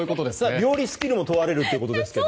料理スキルも問われるということですが。